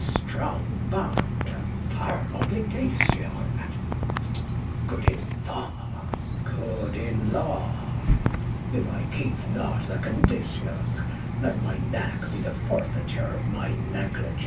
strong bond, a firm obligation, good in law, good 42 KING LEIR AND [Acr III in law: if I keep not the condition, "let my neck be the forfeiture of my negligence.